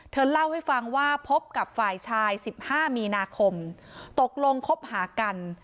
เธอเล่าให้ฟังว่าพบกับฝ่ายชาย๑๕มีนาคมตกลงคบหากัน